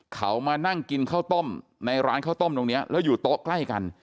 เขามานั่งกินข้าวต้มในร้านข้าวต้มตรงนี้แล้วอยู่โต๊ะใกล้กัน